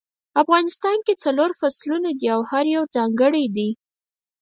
افغانستان کې څلور فصلونه دي او هر یو ځانګړی ده